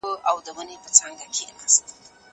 د منځګړو مهمي دندي دادي.